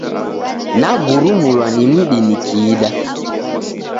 Nagurumulwa ni mudi nikiida.